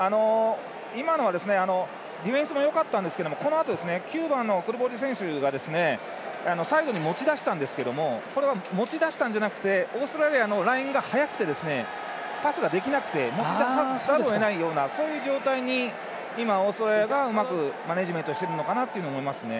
今のは、ディフェンスもよかったんですが９番のクルボリ選手が左右に持ち出したんですがこれは、持ち出したんじゃなくてオーストラリアのラインが早くて、パスができなくて持ち出さざるをえないようなそういう状態に今、オーストラリアがうまくマネジメントしてるのかなと思いますね。